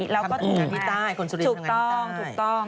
แล้วก็ถูกกับปัจจัยถูกต้อง